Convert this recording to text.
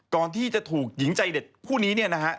ก่อนที่จะถูกหญิงใจเด็ดคู่นี้เนี่ยนะฮะ